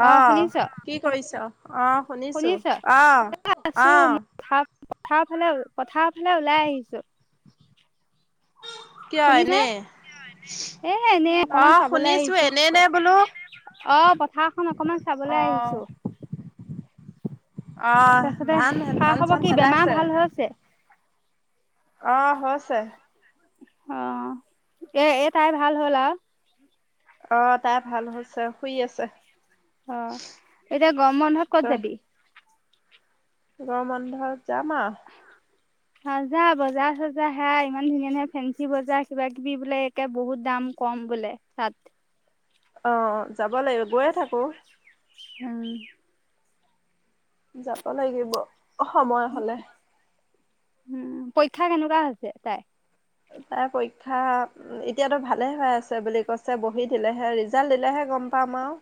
অ শুনিছ অহ কি কৰিছ? অ শুনিছো, শুনিছ আহ আছো আহ। মই পথাৰ ফালে, পথাৰ ফালে ওলাই আহিছো। কিয় শুনিছে এনে। এ এনেই অকমান আহ চাবলৈ শুনিছো আহিছো এনে ক নে বোলো অ, পথাৰখন অকমান চাবলৈ আহিছো। অহ, তাৰপিছতে ধান এ খা খবৰ ধান-চান কি পেলাই বেমাৰ আছে। ভাল হৈছে অ, এ এ তাই ভাল হ'ল আৰু অ, তাই ভাল হৈছে শুই আছে। অ, এতিয়া গৰম বন্ধত ত ক'ত যাবি? গৰম বন্ধত যাম আৰু সজা বজাৰ-সজাৰ সেয়াই ইমান ধুনীয়া ধুনীয়া ফেঞ্চি বজাৰ কিবা কিবি বোলে একে বহুত দাম কম বোলে তাত। অ অ অ, যাব লাগিব গৈয়ে থাকো। পিয়া পিয়া হা যাব লাগিব সময় হলে। উম, পৰীক্ষা কেনেকুৱা হৈছে তাইৰ তাৰ পৰীক্ষা এতিয়াতো ভালে হৈ আছে বুলি কৈছে বহি দিলেহে ৰিজাল্ট দিলেহে গম পাম আৰু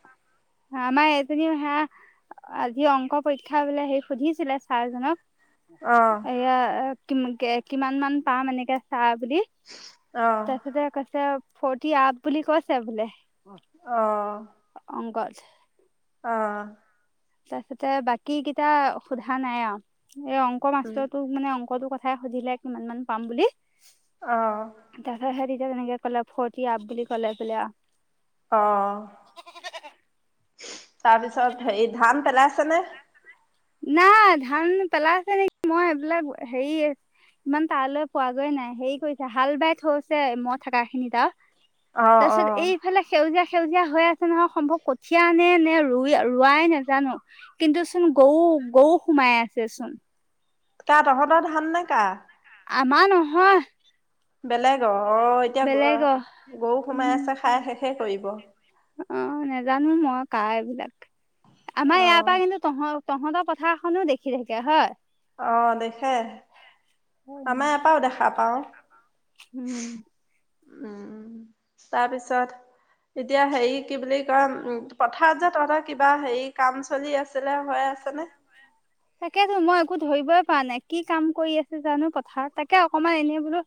আমাৰ এজনীও, সেয়া আজি অংক পৰীক্ষা বোলে সেই সুধিছিলে ছাৰ অ জনক। এয়া এ কিমন কে কিমান মান পাম এনেকে চাব সুধি, তাৰপিছতে কৈছে ফৰটি আপ বুলি কৈছে বোলে। অ অ অ অ অংকত অ। তাৰপিছতে বাকী কেইটা সোধা নাই আৱ এ অংক উম। মাষ্টৰটোক মানে অংকটো কথা সুধিলে কিমান মান পাম বুলি অ', তাপিছত সেতি তেনেকে ক'লে ফৰটি আপ বুলি ক'লে বোলে। অহ। তাৰপিছত হেই ধান পেলাইছে নে। নাই ধান পেলাইছে নেকি মই এইবিলাক হেই ইমান তালৈ পোৱাগৈ নাই হেই কৰিছে হাল বাই থৈছে মই থকা খিনি তাত অ', তাপিছত অ'। এইফালে সেউজিয়া। সেউজীয়া হৈ আছে নহয় সম্ভৱ কঠিয়া নে নে ৰো ৰোৱাই নেজানো। কিন্তু চোন গৰু গৰু সোমাই আছে চোন। কা তহঁতৰ ধান নে কা আমাৰ নহয়। বেলেগ অ অ এতিয়া গ বেলেগৰ গৰু সোমাই উম আছে খাই শেষে কৰিব। অ নেজানো মই কা এইবিলাক, আমাৰ এয়া পা অ', কিন্তু তহঁত। তহঁত পথাৰ খনো দেখি থাকে হয়। অ দেখে আমাৰ এয়া পাও দেখা পাওঁ। উম উম তাৰপিছত। এতিয়া হেৰি কি বুলি কয় উম পথাৰত যে তহঁতৰ কিবা হেৰি কাম চলি আছিলে হৈ আছেনে? [inaudible] তাকেতো মই একো ধৰিবই পৰা নাই কি কাম কৰি আছে জানো পথাৰত তাকে অকমান এনেই বোলো।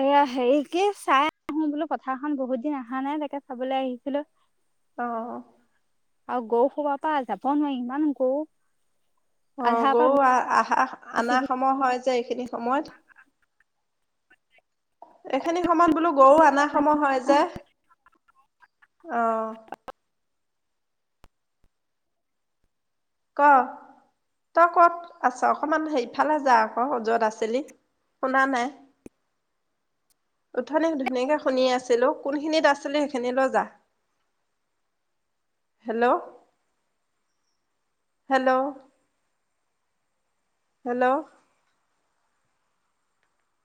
এয়া হেৰি কি চাই আহোঁ বোলো পথাৰখন বহুত দিন আহা নাই এনেকে চাবলে আহিছিলো। অহ আৰু গৰু সোপা পা যাব নোৱাৰি ইমান গৰু অ আধাৰ পৰা গৰু আহ আহা গুচি আনা সময় হয় যে এইখিনি সময়ত, এইখিনি সময়ত বোলো গৰু আনা সময় হয় যে। অহ ক, তই ক'ত আছ অকমান সে ইফালে যা ক য'ত আছিলি। শুনা নাই। উঠুনি ধুনীয়াকে শুনি আছিলো কোনখিনিত আছিলি সেইখিনিলৈ যা হেল্ল। Hello hello